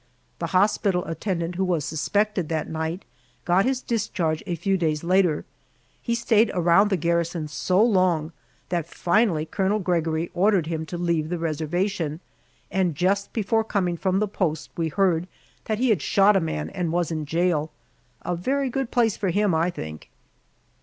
The hospital attendant who was suspected that night got his discharge a few days later. He stayed around the garrison so long that finally Colonel Gregory ordered him to leave the reservation, and just before coming from the post we heard that he had shot a man and was in jail. A very good place for him, I think.